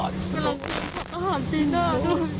เดี๋ยวลองดูบรรยากาศช่วงนี้หน่อยนะคะ